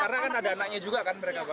karena kan ada anaknya juga kan mereka pak